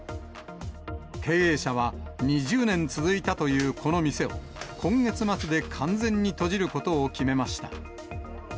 経営者は２０年続いたというこの店を、今月末で完全に閉じることを決めました。